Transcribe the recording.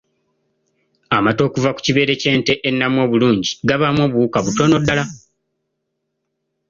Amata okuva mu kibeere ky’ente ennamu obulungi gabaamu obuwuka butono ddala.